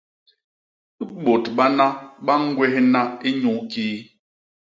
Bôt bana ba ñgwéhna inyukii?